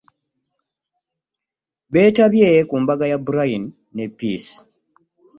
Beetabye ku mbaga ya Brian ne Peace